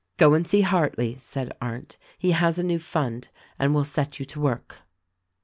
"Go and see Hartleigh," said Arndt, "he has a new fund and will set you to work."